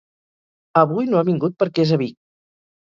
Avui no ha vingut perquè és a Vic.